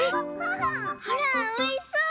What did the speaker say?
ほらおいしそう！